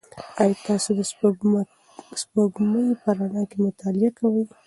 ایا تاسي د سپوږمۍ په رڼا کې مطالعه کوئ؟